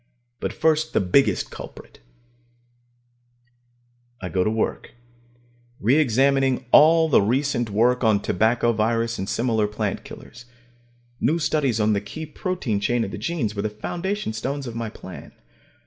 But first the biggest culprit. I go to work, re examining all the recent work on tobacco virus and similar plant killers. New studies on the key protein chains of the genes were the foundation stones of my plan.